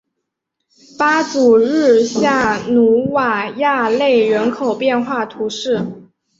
巴祖日下努瓦亚勒人口变化图示